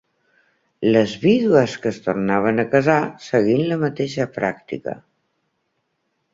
Les vídues que es tornaven a casar seguin la mateixa pràctica.